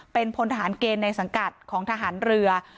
เป็นพลทหารเกณฑ์ในสังกัดของทหารเรือ